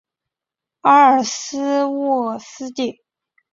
埃尔斯沃思地。